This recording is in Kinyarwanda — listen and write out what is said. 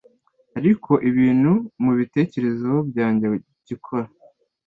Ariko ikintu mubitekerezo byanjye gikora